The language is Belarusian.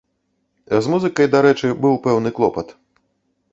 З музыкай, дарэчы, быў пэўны клопат.